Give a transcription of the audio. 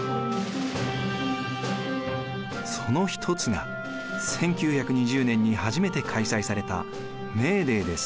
その一つが１９２０年に初めて開催されたメーデーです。